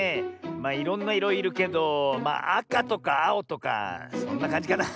まあいろんないろいるけどあかとかあおとかそんなかんじかな。